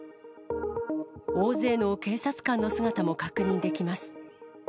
大勢の警察官の姿も確認できます。